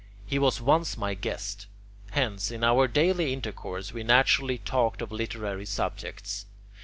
He was once my guest. Hence, in our daily intercourse, we naturally talked of literary subjects.